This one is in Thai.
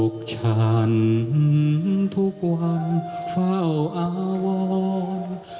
ฉันทุกวันเฝ้าอาวร